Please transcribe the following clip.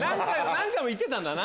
何回も言ってたんだな